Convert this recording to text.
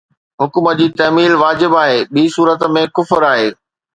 حڪم جي تعميل واجب آهي، ٻي صورت ۾ ڪفر آهي